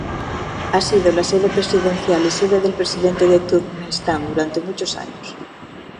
Ha sido la sede presidencial y sede del presidente de Turkmenistán durante muchos años.